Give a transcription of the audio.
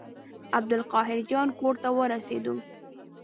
عبدالقاهر جان کور ته ورسېدو.